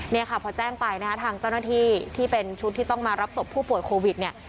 เนี่ยค่ะพอแจ้งไปนะคะทางเจ้าหน้าที่ที่เป็นชุดที่ต้องมารับศพผู้ป่วยโควิดเนี่ย